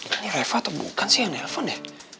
ini reva atau bukan sih yang nelfon ya